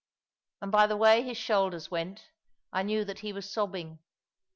And by the way his shoulders went, I knew that he was sobbing.